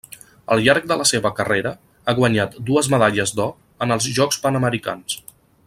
Al llarg de la seva carrera ha guanyat dues medalles d'or en els Jocs Panamericans.